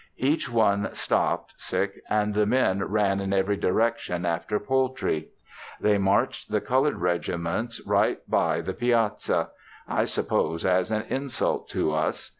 Each one stopped and the men ran in every direction after poultry. They marched the colored regiments right by the piazza; I suppose as an insult to us.